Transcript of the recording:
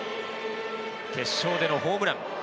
決勝でのホームラン。